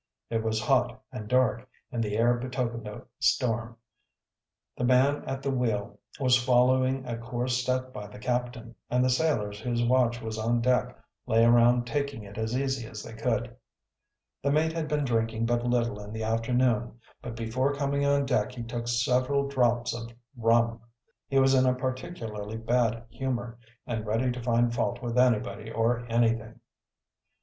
It was hot and dark, and the air betokened a storm. The man at the wheel was following a course set by the captain, and the sailors whose watch was on deck lay around taking it as easy as they could. The mate had been drinking but little in the afternoon, but before coming on deck he took several draughts of rum. He was in a partiallarly bad humor and ready to find fault with anybody or anything.